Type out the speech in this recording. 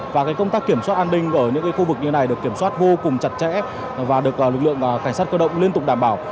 và công tác kiểm soát an ninh ở những khu vực như này được kiểm soát vô cùng chặt chẽ và được lực lượng cảnh sát cơ động liên tục đảm bảo